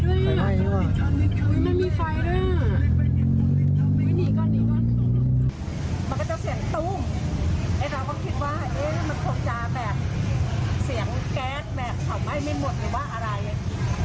มันก็จะเสียงตู้มไอ้เราก็คิดว่าเอ๊ะมันคงจะแบบเสียงแก๊สแบบเผาไหม้ไม่หมดหรือว่าอะไร